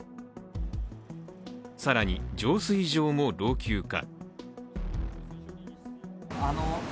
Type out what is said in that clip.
更に、浄水場も老朽化。